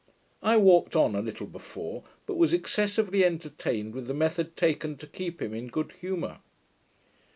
I walked on a little before, but was excessively entertained with the method taken to keep him in good humour.